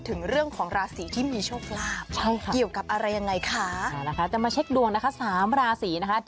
เตรียมกับอะไรอย่างไงคะ